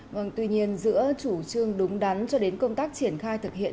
vâng tuy nhiên giữa chủ trương đúng đắn cho đến công tác triển khai thực hiện